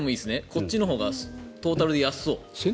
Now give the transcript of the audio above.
こっちのほうがトータルで安そう。